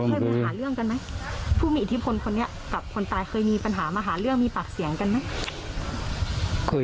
เคยมาหาเรื่องกันไหมผู้มีอิทธิพลคนนี้กับคนตายเคยมีปัญหามาหาเรื่องมีปากเสียงกันไหม